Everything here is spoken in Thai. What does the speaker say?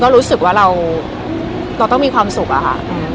ก็รู้สึกว่าเราก็ต้องมีความสุขอ่ะค่ะอืม